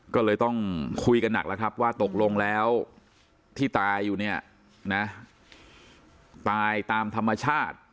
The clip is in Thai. ก็เลยต้องคุยกันหนักแล้วครับว่าตกลงแล้วที่ตายอยู่เนี่ยนะตายตามธรรมชาติ